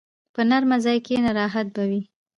په نرمه ځای کښېنه، راحت به وي.